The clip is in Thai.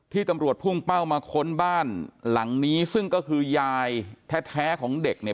ตำรวจพุ่งเป้ามาค้นบ้านหลังนี้ซึ่งก็คือยายแท้ของเด็กเนี่ย